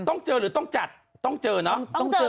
ต้องเจอหรือต้องจัดต้องเจอเนอะ